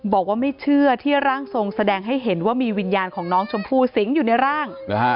บอกว่าไม่เชื่อที่ร่างทรงแสดงให้เห็นว่ามีวิญญาณของน้องชมพู่สิงอยู่ในร่าง